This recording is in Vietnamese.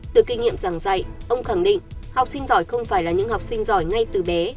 từ kinh nghiệm giảng dạy ông khẳng định học sinh giỏi không phải là những học sinh giỏi ngay từ bé